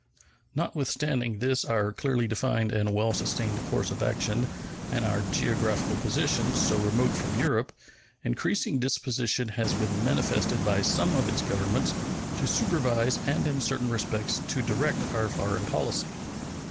Notwithstanding this our clearly defined and well sustained course of action and our geographical position, so remote from Europe, increasing disposition has been manifested by some of its Governments to supervise and in certain respects to direct our foreign policy.